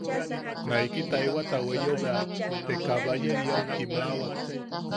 Naiki taewata weyeo bea, te Kabayeriau kimaʼawak.